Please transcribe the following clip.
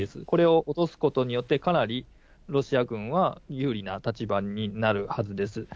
これを落とすことによって、かなりロシア軍は有利な立場になるはずです。